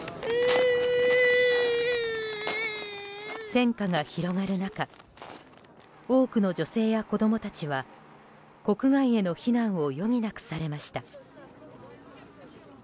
戦火が広がる中多くの女性や子供たちは国外への避難を余儀なくされました。